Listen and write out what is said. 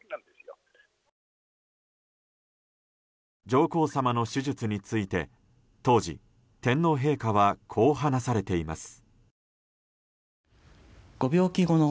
上皇さまの手術について当時、天皇陛下はこう話されています。